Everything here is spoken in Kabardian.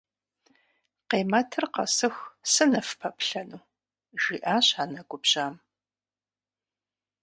- Къемэтыр къэсыху сыныфпэплъэну? - жиӏащ анэ губжьам.